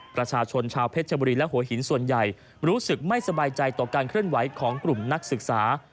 ประชาชนชาวเพชรบุรีและหัวหินส่วนใหญ่รู้สึกไม่สบายใจต่อการเคลื่อนไหวของกลุ่มนักศึกษา